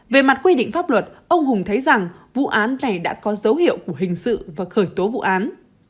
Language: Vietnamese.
về mặt quy định pháp luật ông hùng thấy rằng vụ án này đã có dấu hiệu của hình sự và khởi tố vụ án